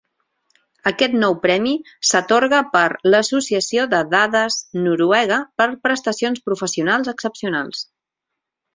Aquest nou premi s'atorga per l'Associació de Dades Noruega per prestacions professionals excepcionals.